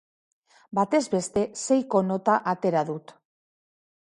Batez beste, seiko nota atera dut.